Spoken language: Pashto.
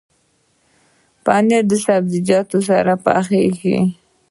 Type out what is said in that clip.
پنېر د سابهجاتو سره پخېږي.